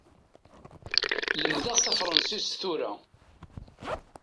Lemmdeɣ tafransist tura.